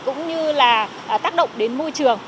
cũng như là tác động của người sử dụng